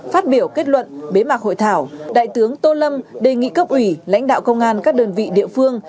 phát biểu kết luận bế mạc hội thảo đại tướng tô lâm đề nghị cấp ủy lãnh đạo công an các đơn vị địa phương